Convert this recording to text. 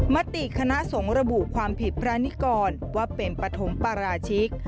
มติคณะสงฆ์ระบุความผิดพระนิกรว่าเป็นปฐมปราชิก